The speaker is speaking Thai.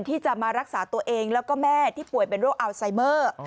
ที่จะมารักษาตัวเองแล้วก็แม่ที่ป่วยเป็นโรคอัลไซเมอร์